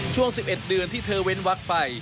ช่วง๑๑เดือนที่เธอเว้นวักไป